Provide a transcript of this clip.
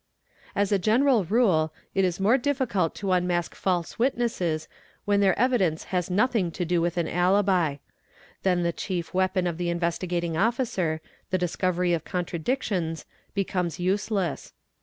As a general rule, it is more difficult to unmask false witnesses when their evidence has nothing to do with an alibi; then the chief weapon of the Investigating Officer, the discovery of contradictions, becomes useless.